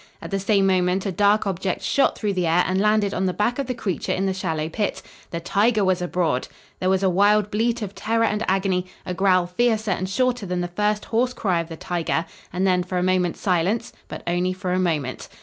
At the same moment a dark object shot through the air and landed on the back of the creature in the shallow pit. The tiger was abroad! There was a wild bleat of terror and agony, a growl fiercer and shorter than the first hoarse cry of the tiger, and, then, for a moment silence, but only for a moment.